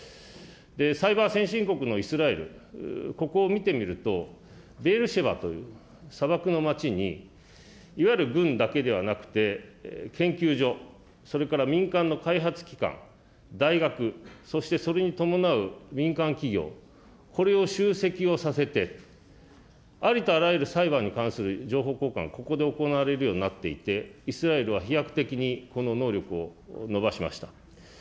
サイバー先進国のイスラエル、ここを見てみると、という砂漠の町に、いわゆる軍だけではなくて、研究所、それから民間の開発機関、大学、そしてそれに伴う民間企業、これを集積をさせて、ありとあらゆるサイバーに関する情報交換、ここで行われるようになっていて、イスラエルは飛躍的にこの能力を伸ばしました。